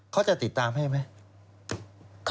เขาจะติดตามให้ไหม